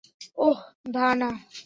ওহ, ধানা!